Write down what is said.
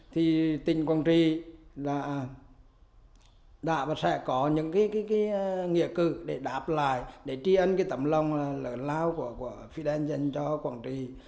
thì tỉnh quảng trị là đã và sẽ có những cái nghĩa cử để đáp lại để tri ân cái tấm lòng lớn lao của fidel dành cho quảng trị